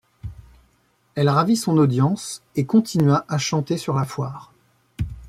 Elle ravit son audience et continua à chanter sur la foire.